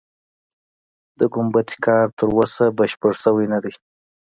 د ګومبتې کار تر اوسه بشپړ شوی نه دی.